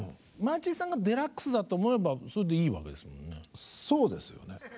マーチンさんがデラックスだと思えばそれでいいわけですもんね。